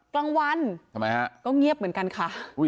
กลางวันก็เงียบเหมือนกันค่ะ